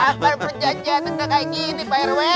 apa perjanjiannya kayak gini pak rw